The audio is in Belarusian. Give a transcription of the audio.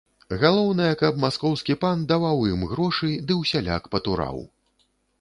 Галоўнае, каб маскоўскі пан даваў ім грошы ды ўсяляк патураў.